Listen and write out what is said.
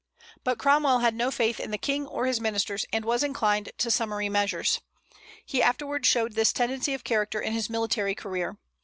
But Cromwell had no faith in the King or his ministers, and was inclined to summary measures. He afterwards showed this tendency of character in his military career.